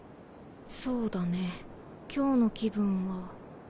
そうだね今日の気分は。